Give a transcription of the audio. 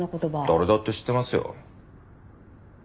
誰だって知ってますよ。